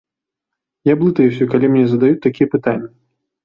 Я блытаюся, калі мне задаюць такія пытанні.